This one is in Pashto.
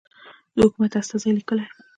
د حکومت استازی لیکي.